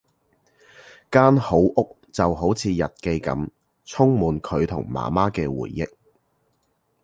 間好屋就好似日記噉，充滿佢同媽媽嘅回憶